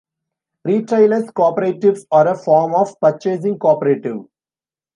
Retailers' cooperatives are a form of purchasing cooperative.